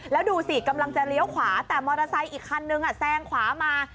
แล้วดูสิกำลังจะเลี้ยวขวาแต่มอเตอร์ไซค์อีกคันนึงแซงขวามา